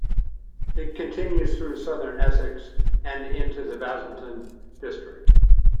It continues through southern Essex and into the Basildon district.